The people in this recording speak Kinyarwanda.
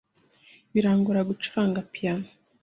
Birangora gucuranga piyano.